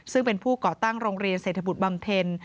ซึ่งเป็นผู้ก่อตั้งโรงเรียนเศรษฐบุตรบำเพ็ญ